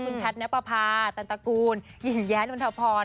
คุณแพทย์ณปภาตันตะกูลหญิงแย้รุณภพร